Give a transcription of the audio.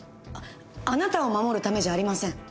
あなたを守るためじゃありません。